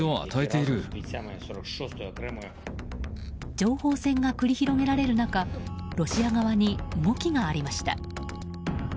情報戦が繰り広げられる中ロシア側に動きがありました。